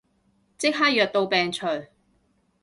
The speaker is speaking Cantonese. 即刻藥到病除